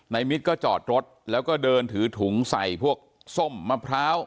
มิตรก็จอดรถแล้วก็เดินถือถุงใส่พวกส้มมะพร้าว